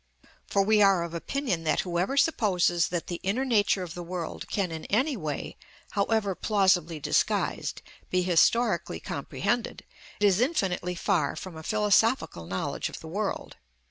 For we are of opinion that whoever supposes that the inner nature of the world can in any way, however plausibly disguised, be historically comprehended, is infinitely far from a philosophical knowledge of the world.